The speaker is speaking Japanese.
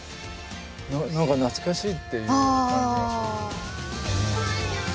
何か懐かしいっていう感じがする。